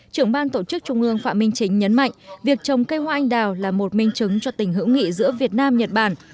trưởng ban tổ chức trung ương phạm minh chính nhấn mạnh việc trồng cây hoa anh đào là một minh chứng cho tình hữu nghị giữa việt nam nhật bản